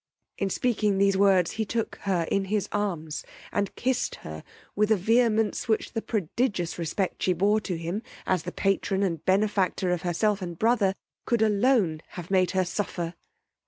In speaking these words he took her in his arms, and kissed her with a vehemence which the prodigious respect she bore to him, as the patron and benefactor of herself and brother, could alone have made her suffer.